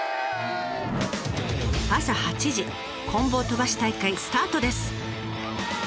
朝８時棍棒飛ばし大会スタートです！